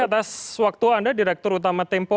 atas waktu anda direktur utama tempo